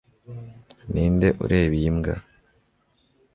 Ninde ureba iyi mbwa